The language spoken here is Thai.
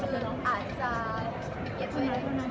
มันเป็นสิ่งที่จะให้ทุกคนรู้สึกว่า